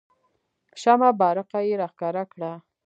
شمه بارقه یې راښکاره کړه.